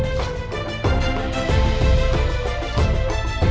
aku sangat jauh dari istana